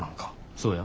そうや。